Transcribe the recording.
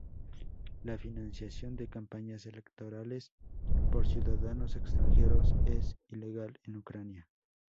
La financiación de campañas electorales por ciudadanos extranjeros es ilegal en Ucrania.